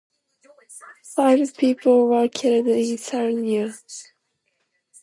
Five people were killed in Sarnia.